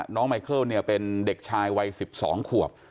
ไมเคิลเนี่ยเป็นเด็กชายวัย๑๒ขวบ